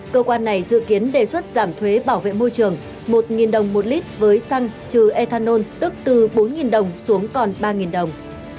cơ quan này dự kiến đề xuất giảm thuế bảo vệ môi trường một đồng một lít với xăng trừ ethanol tức từ bốn đồng xuống còn ba đồng